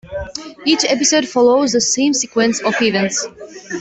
Each episode follows the same sequence of events.